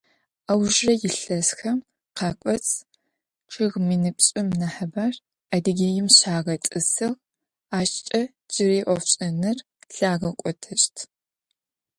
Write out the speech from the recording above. Аужырэ илъэсхэм къакӏоцӏ чъыг минипшӏым нахьыбэр Адыгеим щагъэтӏысыгъ, ащкӏэ джыри ӏофшӏэныр лъагъэкӏотэщт.